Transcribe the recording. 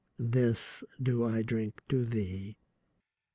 This do I drink to thee."